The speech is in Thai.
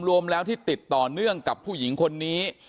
รวมแล้วที่ติดต่อเนื่องกับผู้หญิงคนนี้